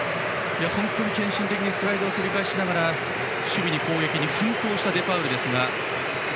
本当に献身的にスライドを繰り返して守備に攻撃に奮闘したデパウル。